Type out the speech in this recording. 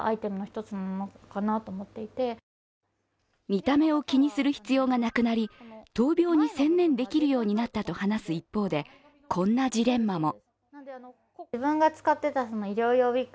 見た目を気にする必要がなくなり、闘病に専念できるようにあったと話す一方でこんなジレンマも。